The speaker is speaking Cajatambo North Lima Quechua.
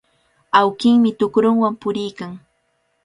Awkinmi tukrunwan puriykan.